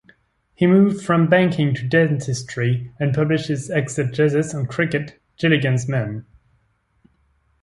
He moved from banking to dentistry, and published his exegesis on cricket, "Gilligan's Men".